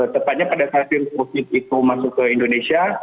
tepatnya pada saat virus covid itu masuk ke indonesia